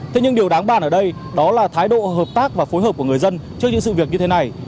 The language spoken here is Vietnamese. thế nhưng điều đáng bàn ở đây đó là thái độ hợp tác và phối hợp của người dân trước những sự việc như thế này